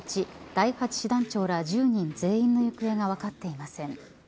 第８師団長ら１０人全員の行方が分かっていません。